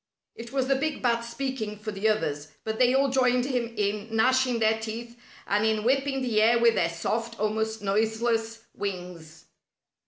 It was the big bat speaking for the others, but they all joined him in gnashing their teeth and in whipping the air with their soft, almost noiseless, wings.